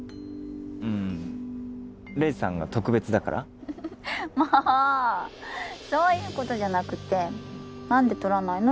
うん黎さんが特別だからもうそういうことじゃなくて何で撮らないの？